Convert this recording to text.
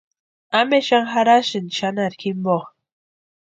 ¿Ampe xani jarhasïni xanharu jimpo?